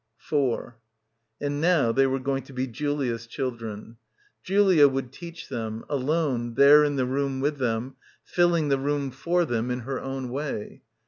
... 4 And now they were going to be Julia's children. Julia would teach them — alone there in the room with them, filling the room for them — in her own way.